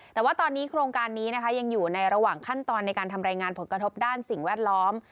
แต่ว่าตอนนี้โครงการนี้นะคะยังอยู่ในระหว่างขั้นตอนในการทำรายงานผลกระทบด้านสิ่งแวดล้อม